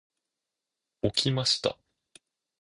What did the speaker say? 起きました。